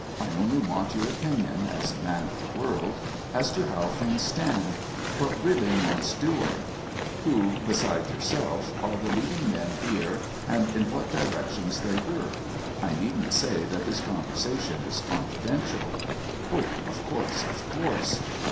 "I only want your opinion, as a man of the world, as to how things stand what really wants doing, who, Beside yourself, are the leading men here and in what directions they work. I needn't say that this conversation is confidential." "Oh, of course, of course."